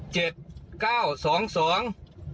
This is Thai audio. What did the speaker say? เจ็ดเก้าสองสอง